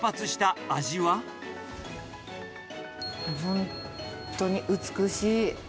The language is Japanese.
本当に美しい。